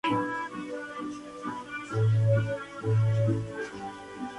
La Santa Sede aprobó la Congregación de las Hermanas Franciscanas Hospitalarias y Maestras.